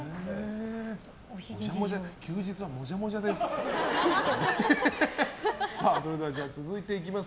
休日はもじゃもじゃです。